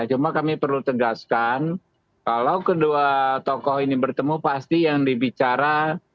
cuma kami perlu tegaskan kalau kedua tokoh ini bertemu pasti yang dibicara